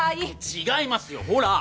違いますよほら！